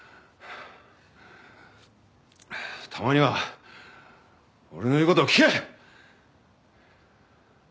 たまには俺の言う事を聞け！